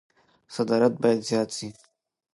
صادرات بايد زيات سي.